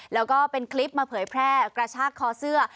แล้วก็เป็นคลิปมาเผยแพร่กระชากคอเสื้อ